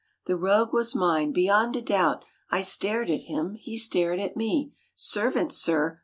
The rogue was mine, beyond a doubt. I stared at him; he stared at me; ' Servant, Sir